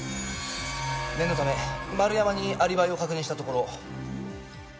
念のため丸山にアリバイを確認したところ。